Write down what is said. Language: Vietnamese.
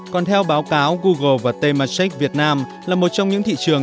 còn theo báo cáo google và temasek việt nam là một trong những thị trường